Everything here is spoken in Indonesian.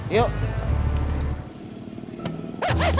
iya gak jadi